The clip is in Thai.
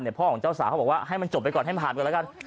พ่อของเจ้าสาวเขาบอกว่าให้มันจบไปก่อนให้ผ่านก่อนแล้วกัน